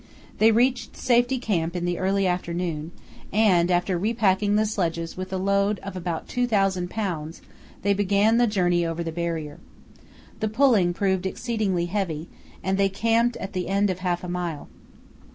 They reached Safety Camp in the early afternoon, and, after repacking the sledges with a load of about 2000 lbs., they began the journey over the Barrier. The pulling proved exceedingly heavy, and they camped at the end of half a mile.